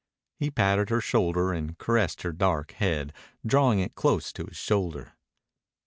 He patted her shoulder and caressed her dark head drawing it close to his shoulder.